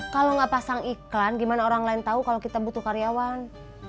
kalau nggak pasang iklan gimana orang lain tahu kalau kita butuh karyawan